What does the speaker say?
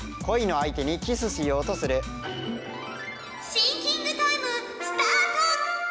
シンキングタイムスタート！